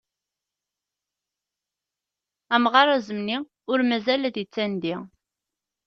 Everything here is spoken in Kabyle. Amɣar azemni ur mazal ad ittandi.